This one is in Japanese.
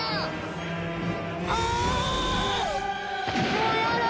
もうやだよ。